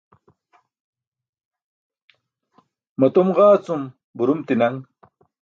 Matum ġaa cum burum ti̇naṅ.